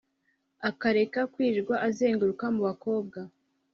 akareka kwirirwa azenguruka mu bakobwa